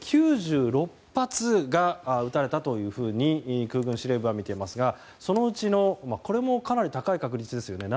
９６発が撃たれたというふうに空軍司令部は見ていますがそのうちのこれもかなり高い確率ですよね。